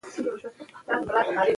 هغه د خپل هدف لپاره دوام ورکوي.